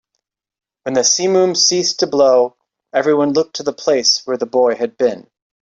When the simum ceased to blow, everyone looked to the place where the boy had been.